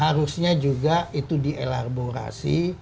harusnya juga itu dielaborasi